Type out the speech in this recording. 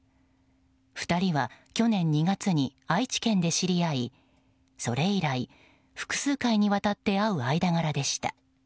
２人は去年２月に愛知県で知り合いそれ以来、複数回にわたって会う間柄でした。